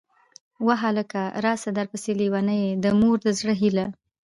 واه هلکه!!! راسه درپسې لېونۍ يه ، د مور د زړه هيلهٔ